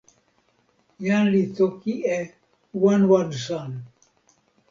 jan li toki e “wan wan san”.